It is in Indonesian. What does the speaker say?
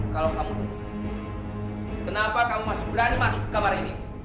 kalau kamu dukung kenapa kamu masih berani masuk ke kamar ini